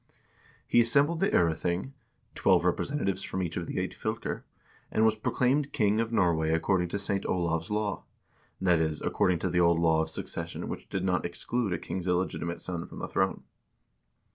He assembled the Prething (twelve representatives from each of the eight fylker), and was proclaimed king of Norway according to St. Olav's law; that is, according to the old law of succession which did not exclude a king's illegitimate son from the throne.